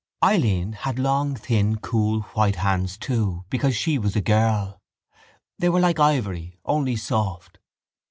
Eileen had long thin cool white hands too because she was a girl. They were like ivory; only soft.